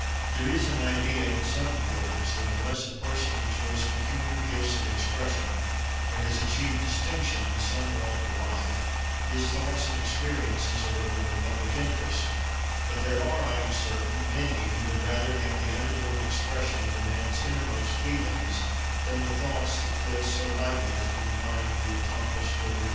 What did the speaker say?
There is an idea in some quarters that unless a person enjoys peculiar gifts of expression, or has achieved distinction in some walk of life, his thoughts and experiences are of no public interest. But there are, I am certain, many who would rather have the unadorned expression of a man's inner most feelings than the thoughts that flit so lightly from the mind of the accomplished litterateur.